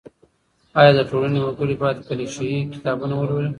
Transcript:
ايا د ټولني وګړي بايد کليشه يي کتابونه ولولي؟